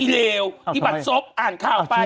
อีเหลวอิบัตรซบอ่านข่าวไป